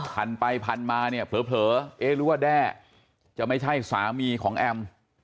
พันไปพันมาเนี่ยเผลอเอ๊หรือว่าแด้จะไม่ใช่สามีของแอม